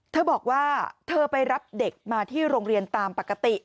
เธอบอกว่าเธอไปรับเด็กมาที่โรงเรียนตามปกติ